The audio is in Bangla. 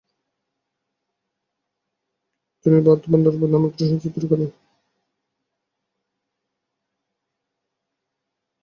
তিনি 'ভারত ভান্ডার' নামের একটি সংস্থা তৈরি করেন।